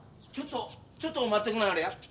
ちょっとちょっと待っとくなはれや。